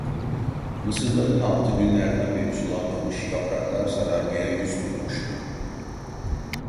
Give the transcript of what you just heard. Mısırların altı günlerden beri sulanmamış, yapraklar sararmaya yüz tutmuştu.